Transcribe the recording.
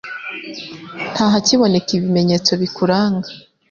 Nta hakiboneka ibimenyetso bikuranga